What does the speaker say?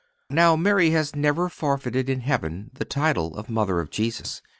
Now, Mary has never forfeited in heaven the title of Mother of Jesus.